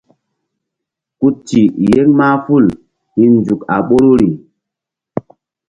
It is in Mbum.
Ku ti yeŋ mahful hi̧nzuk a ɓoruri.